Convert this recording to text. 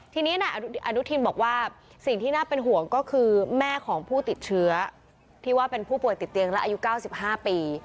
ทีนี้นายอนุทินบอกว่าสิ่งที่น่าเป็นห่วงก็คือแม่ของผู้ติดเชื้อที่ว่าเป็นผู้ป่วยติดเตียงและอายุ๙๕ปี